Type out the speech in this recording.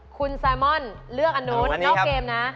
คุณแซมอนเลือกอันนู้นนอกเกมนะ